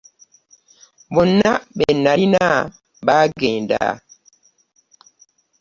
Bonna be nnalina baagenda.